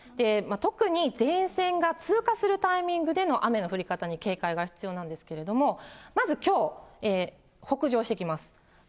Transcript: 特に前線が通過するタイミングでの雨の降り方に警戒が必要なんですけれども、まずきょう、北上してきます。